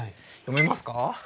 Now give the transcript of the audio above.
読めますか？